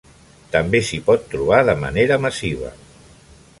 També s'hi pot trobar de manera massiva.